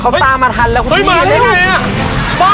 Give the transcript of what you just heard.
เขาตามมาทันแล้วคุณพี่